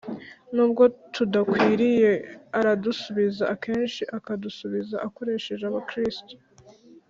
Nubwo tudakwiriye aradusubiza, akenshi akadusubiza akoresheje Abakristo